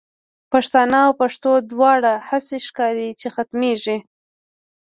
پښتانه او پښتو دواړه، هسی ښکاری چی ختمیږی